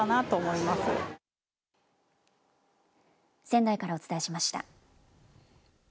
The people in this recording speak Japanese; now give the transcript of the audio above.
仙台からお伝えしました。